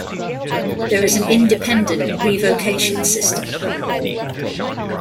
There is an independent revocation system.